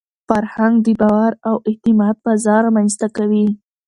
فرهنګ د باور او اعتماد فضا رامنځته کوي.